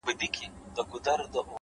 نن دي دواړي سترگي سرې په خاموشۍ كـي.!